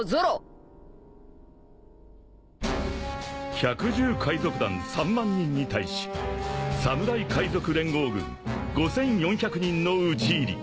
［百獣海賊団３万人に対し侍海賊連合軍５，４００人の討ち入り］